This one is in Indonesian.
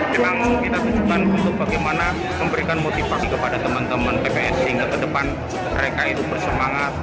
memang kita tunjukkan untuk bagaimana memberikan motivasi kepada teman teman pks sehingga ke depan mereka itu bersemangat